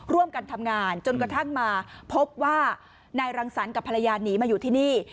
ร่วมกันทำงานจนกระทั่งมาพบว่านายรังสรรค์กับภรรยาหนีมาอยู่ที่นี่